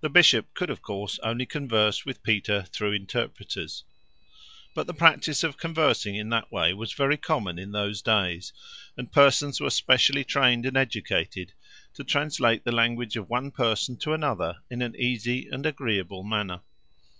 The bishop could, of course, only converse with Peter through interpreters, but the practice of conversing in that way was very common in those days, and persons were specially trained and educated to translate the language of one person to another in an easy and agreeable manner.